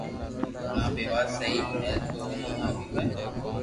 آ بي وات سھي ڪي تو ايئي آويو ھي